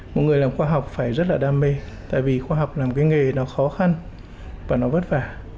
một người làm khoa học phải rất là đam mê tại vì khoa học làm cái nghề nó khó khăn và nó vất vả